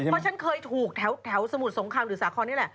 เพราะฉันเคยถูกแถวสมุทรสงครามหรือสาครนี่แหละ